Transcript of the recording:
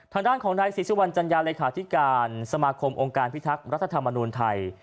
ทางด้านของนายศรีสุวรรณจัญญาเลขาธิการสมาคมองค์การพิทักษ์รัฐธรรมนูลไทย